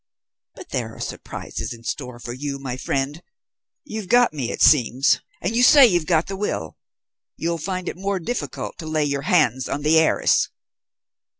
But there are surprises in store for you, my friend. You've got me, it seems, and you say you've got the will. You'll find it more difficult to lay your hands on the heiress!"